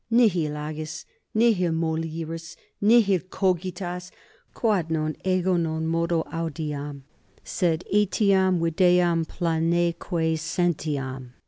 Nihil agis, nihil moliris, nihil cogitas, quod non ego non modo audiam, sed etiam videam planeque sentiam.